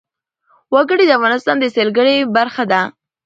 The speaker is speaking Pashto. وګړي د افغانستان د سیلګرۍ برخه ده.